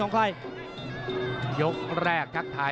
ตอนต่อจอบเป็นของใคร